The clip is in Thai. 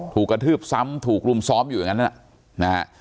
ถูกกระทืบซ้ำถูกรุมซ้ำอยู่อย่างงั้นน่ะนะฮะ